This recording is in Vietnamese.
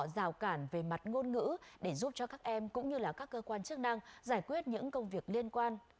để giúp cho các em cũng như là các cơ quan chức năng giải quyết những công việc liên quan